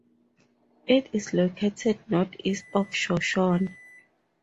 It is located northeast of Shoshone.